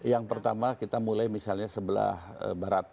yang pertama kita mulai misalnya sebelah barat